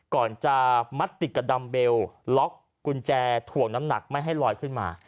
ก่อนจะมัดติดกับดำเบลล็อกกุญแจถ่วงน้ำหนักไม่ให้ลอยขึ้นมา